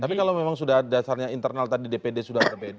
tapi kalau memang sudah dasarnya internal tadi dpd sudah berbeda